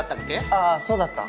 ああそうだった。